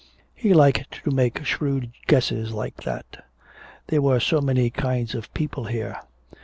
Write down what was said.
He liked to make shrewd guesses like that. There were so many kinds of people here.